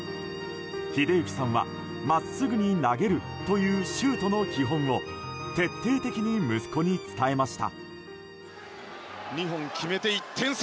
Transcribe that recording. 英幸さんは、真っすぐに投げるというシュートの基本を徹底的に息子に伝えました。